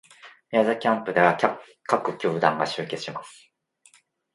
宮崎キャンプでは各球団が集結します